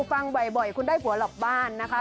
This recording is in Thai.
ฟังบ่อยคุณได้ผัวหลอกบ้านนะคะ